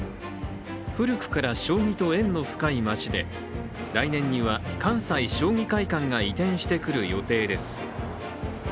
古くから将棋と縁の深い町で来年には関西将棋会館が移転してくる予定です。